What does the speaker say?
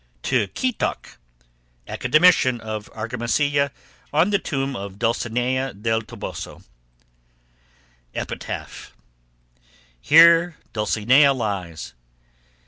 TIQUITOC, ACADEMICIAN OF ARGAMASILLA, ON THE TOMB OF DULCINEA DEL TOBOSO EPITAPH Here Dulcinea lies.